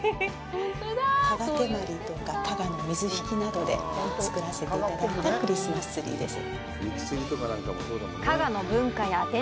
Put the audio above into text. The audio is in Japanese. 革手鞠とか、加賀の水引などで作らせていただいたクリスマスツリーです。